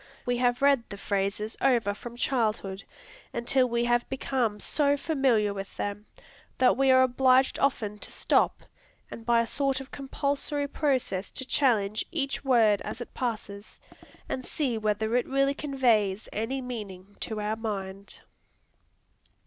We have read the phrases over from childhood, until we have become so familiar with them, that we are obliged often to stop, and by a sort of compulsory process to challenge each word as it passes, and see whether it really conveys any meaning to our mind.